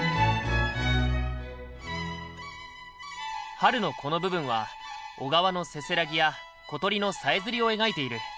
「春」のこの部分は小川のせせらぎや小鳥のさえずりを描いている。